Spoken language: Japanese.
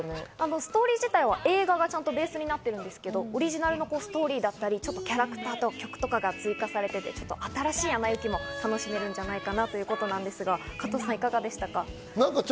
ストーリー自体は映画がベースになっているんですけど、オリジナルのストーリーやキャラクターとか曲が追加されていて、新しい『アナ雪』も楽しめるんじゃないかということですが、加藤さんいかがでしたか？